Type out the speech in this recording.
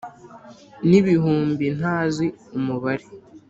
n’ibihumbi ntazi umubare